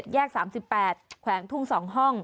แยก๓๘แขวงทุ่ง๒ห้อง